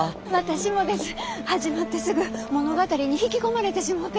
始まってすぐ物語に引き込まれてしもうて。